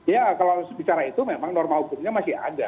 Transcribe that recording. ya kalau bicara itu memang norma hukumnya masih ada